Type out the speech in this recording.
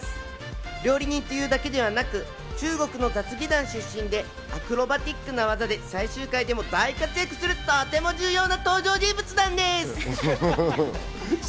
料理人というだけでなく、中国の雑技団出身で、アクロバティックな技で最終回でも大活躍する、とても重要な登場人物なんです。